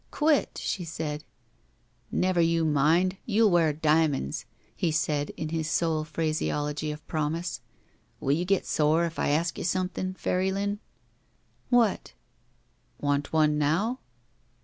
Quit," she said. Never you mind. You'll wear diamonds," he said, in his sole phraseology of promise. Will you get sore if I ask you something, PairyUn?" 130 It THE VERTICAL CITY *'What?" "Want one now?"